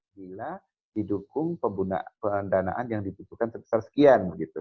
bila didukung pembunuhan danaan yang ditutupkan terbesar sekian